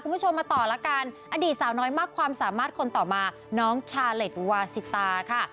คุณผู้ชมมาต่อละกันอดีตสาวน้อยมากความสามารถคนต่อมาน้องชาเล็ตวาสิตาค่ะ